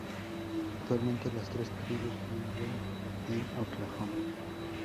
Actualmente, las tres tribus viven en Oklahoma.